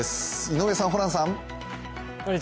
井上さん、ホランさん。